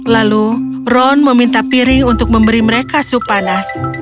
lalu ron meminta piring untuk memberi mereka sup panas